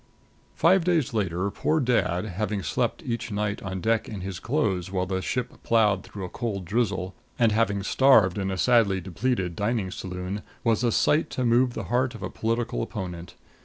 Five days later poor dad, having slept each night on deck in his clothes while the ship plowed through a cold drizzle, and having starved in a sadly depleted dining saloon, was a sight to move the heart of a political opponent.